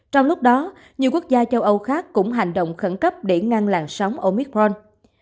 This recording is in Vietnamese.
trong lúc đó nhiều quốc gia châu âu khác cũng hành động khẩn cấp để ngăn làn sóng omithon